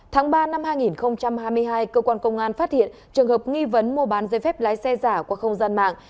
tháng ba năm hai nghìn hai mươi hai cơ quan công an phát hiện trường hợp nghi vấn mua bán dây phép lái xe giả qua không gian mạng